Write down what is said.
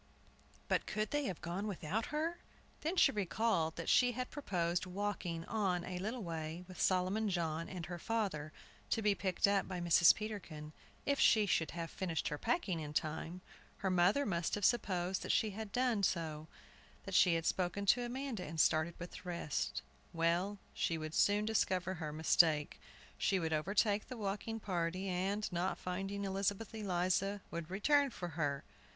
But could they have gone without her? Then she recalled that she had proposed walking on a little way with Solomon John and her father, to be picked up by Mrs. Peterkin, if she should have finished her packing in time. Her mother must have supposed that she had done so, that she had spoken to Amanda, and started with the rest. Well, she would soon discover her mistake. She would overtake the walking party, and, not finding Elizabeth Eliza, would return for her.